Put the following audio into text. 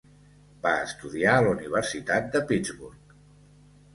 Va estudiar a la Universitat de Pittsburgh.